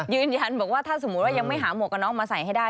ยืนยันบอกว่าถ้าสมมุติว่ายังไม่หาหมวกกันน็อกมาใส่ให้ได้